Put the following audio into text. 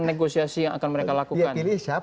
negosiasi yang akan mereka lakukan